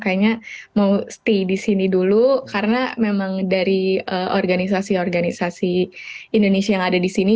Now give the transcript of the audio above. kayaknya mau stay di sini dulu karena memang dari organisasi organisasi indonesia yang ada di sini